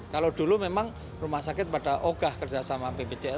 kalau dulu memang rumah sakit pada ogah kerjasama bpjs